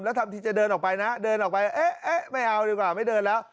ทำทีจะเดินออกไปนะเดินออกไปเอ๊ะไม่เอาดีกว่าไม่เดินแล้ว